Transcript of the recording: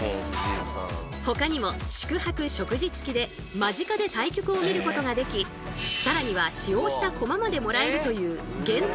ほかにも宿泊・食事つきで間近で対局を見ることができさらには使用した駒までもらえるという限定